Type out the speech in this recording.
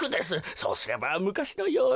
そうすればむかしのように。